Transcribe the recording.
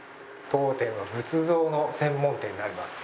当店は仏像の専門店になります。